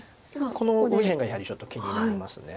この右辺がやはりちょっと気になります。